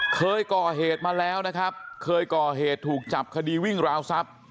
เคยก่อเหตุมาแล้วนะครับเคยก่อเหตุถูกจับคดีวิ่งราวทรัพย์